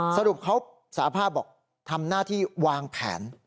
สรุปเขาสาภาพบอกทำหน้าที่วางแผน